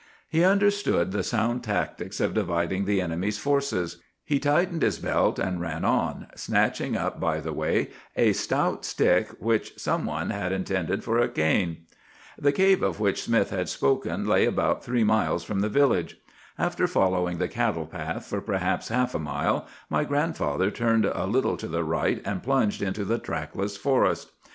"He understood the sound tactics of dividing the enemy's forces. He tightened his belt and ran on, snatching up by the way a stout stick which some one had intended for a cane. "The cave of which Smith had spoken lay about three miles from the village. After following the cattle path for perhaps half a mile, my grandfather turned a little to the right and plunged into the trackless forest.